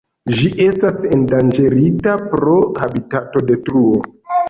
Ĝi estas endanĝerigata pro habitatodetruo.